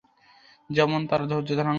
যেমন তাঁরা ধৈর্য ধারণ করেছেন।